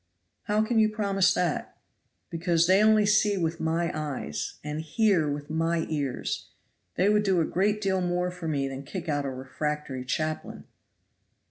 "How can you promise that?" "Because they only see with my eyes, and, hear with my ears; they would do a great deal more for me than kick out a refractory chaplain."